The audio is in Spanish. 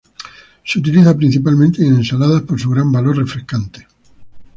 Se utiliza principalmente en ensaladas por su gran valor refrescante.